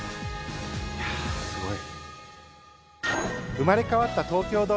いやあ、すごい。